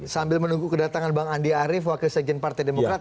sambil menunggu kedatangan bang andi arief wakil sekjen partai demokrat